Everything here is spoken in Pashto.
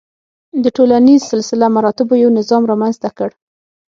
د ټولنیز سلسله مراتبو یو نظام رامنځته کړ.